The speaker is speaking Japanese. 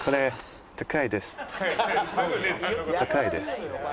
高いです。